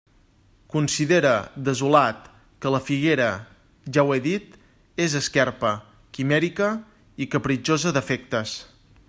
Considere, desolat, que la figuera, ja ho he dit, és esquerpa, quimèrica i capritxosa d'afectes.